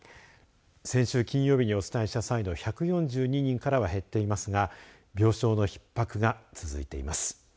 先週金曜日にお伝えした際の１４２人からは減っていますが病床のひっ迫が続いています。